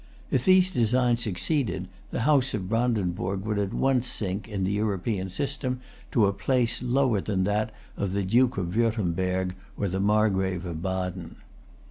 If these designs succeeded, the House of Brandenburg would at once sink in the European system to a place lower than that of the Duke of Würtemberg or the Margrave of Baden.